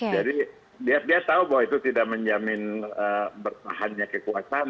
jadi dia tahu bahwa itu tidak menjamin pertahanan kekuatan